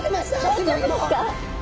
大丈夫ですか？